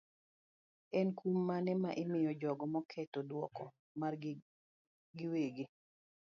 En kum mane ma imiyo jogo maketo duoko margi giwegi.